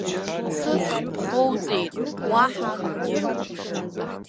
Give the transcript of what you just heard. Сыҵх ԥхоуҵеит, уаҳа акгьы!